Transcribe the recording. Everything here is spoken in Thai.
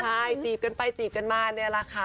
ใช่จีบกันไปจีบกันมาเนี่ยแหละค่ะ